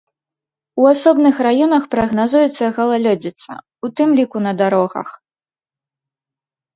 У асобных раёнах прагназуецца галалёдзіца, у тым ліку на дарогах.